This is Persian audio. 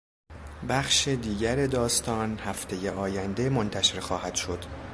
بخش دیگر داستان هفتهی آینده منتشر خواهد شد.